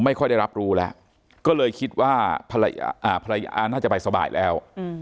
ไม่ค่อยได้รับรู้แล้วก็เลยคิดว่าภรรยาน่าจะไปสบายแล้ว